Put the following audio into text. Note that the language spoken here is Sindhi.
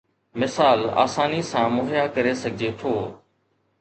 مثال آساني سان مهيا ڪري سگهجي ٿو